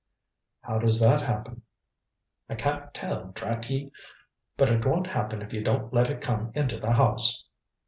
"How does that happen?" "I can't tell, drat ye! But it won't happen if you don't let It come into the house."